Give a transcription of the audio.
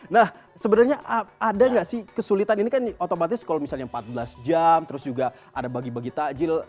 nah sebenarnya ada nggak sih kesulitan ini kan otomatis kalau misalnya empat belas jam terus juga ada bagi bagi takjil